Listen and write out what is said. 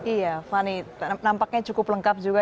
iya fani nampaknya cukup lengkap juga